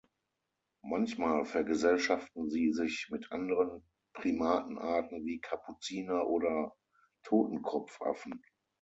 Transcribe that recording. Manchmal vergesellschaften sie sich mit anderen Primatenarten wie Kapuziner- oder Totenkopfaffen.